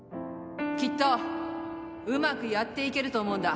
きっとうまくやっていけると思うんだ。